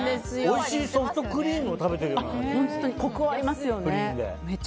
おいしいソフトクリームを食べてる感じだね。